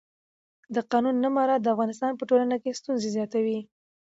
د قانون نه مراعت د افغانستان په ټولنه کې ستونزې زیاتوي